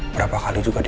gua tandai duk al